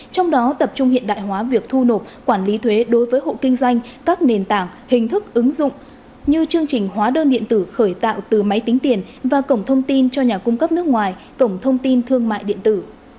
trong đó tập trung hiện đại hóa việc thu nộp quản lý thuế đối với hộ kinh doanh các nền tảng hình thức ứng dụng như chương trình hóa đơn điện tử khởi tạo từ máy tính tiền và cổng thông tin cho nhà cung cấp nước ngoài cổng thông tin thương mại điện tử